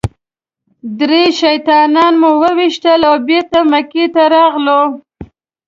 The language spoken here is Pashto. درې شیطانان مو وويشتل او بېرته مکې ته راغلو.